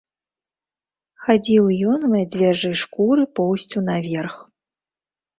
Хадзіў ён у мядзведжай шкуры поўсцю наверх.